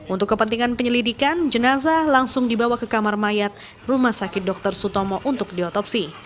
untuk kepentingan penyelidikan jenazah langsung dibawa ke kamar mayat rumah sakit dr sutomo untuk diotopsi